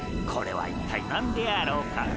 これは一体なんであろうか？